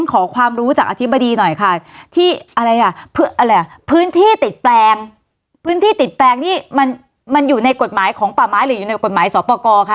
ขอความรู้จากอธิบดีหน่อยค่ะพื้นที่ติดแปลงมันอยู่ในกฎหมายของป่าไม้หรือในกฎหมายสอปอกอคะ